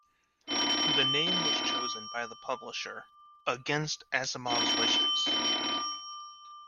The name was chosen by the publisher, against Asimov's wishes.